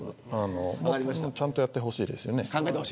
ちゃんとやってほしいです。